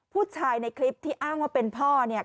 ผู้ชายในคลิปที่อ้างว่าเป็นพ่อเนี่ย